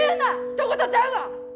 ひと事ちゃうわ！